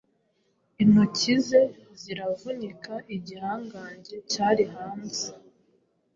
Intoki ze ziravunika igihangange cyari hanze